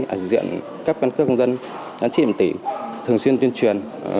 ở diện các căn cơ công dân đánh trị điểm tỉ thường xuyên tuyên truyền